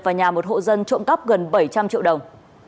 vào nhà một hộ dân trộn cắp gần bảy trăm linh triệu đồng